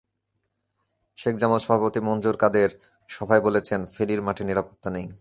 শেখ জামাল সভাপতি মনজুর কাদের সভায় বলেছেন, ফেনীর মাঠে নিরাপত্তা নেই।